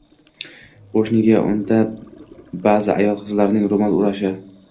Xo‘sh, nega unda ba’zi ayol-qizlarning ro‘mol o‘rashi